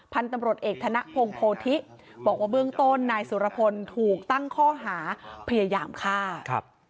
พันธุ์ตำรวจเอกธนพงศ์โพธิบอกว่าเบื้องต้นนายสุรพลถูกตั้งข้อหาพยายามฆ่าครับ